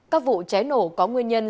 các vụ cháy nổ có nguyên nhân